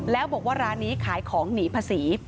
แล้วบอกว่าร้านนี้ขายของหนีภาษี